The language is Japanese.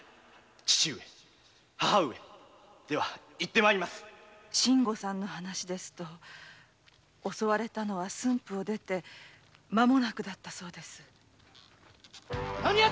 父上母上では行って参信吾さんの話ですと襲われたのは駿府を出てまもなくだったそうです。